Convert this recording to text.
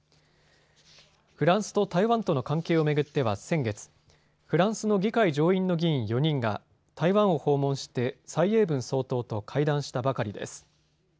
フランスと台湾との関係を巡っては先月、フランスの議会上院の議員４人が台湾を訪問して蔡英文総統と会談したばかりです。